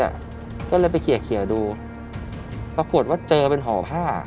อะก็เลยไปเขียลเขียลดูปรากฎว่าเจอเป็นห่อผ้า